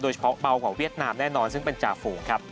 เฉพาะเบากว่าเวียดนามแน่นอนซึ่งเป็นจ่าฝูงครับ